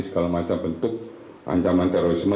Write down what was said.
segala macam bentuk ancaman terorisme